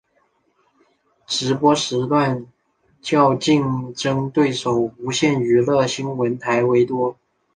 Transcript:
直播时段较竞争对手无线娱乐新闻台为多。